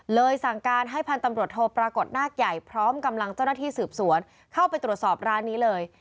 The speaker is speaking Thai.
สั่งการให้พันธุ์ตำรวจโทปรากฏนาคใหญ่พร้อมกำลังเจ้าหน้าที่สืบสวนเข้าไปตรวจสอบร้านนี้เลย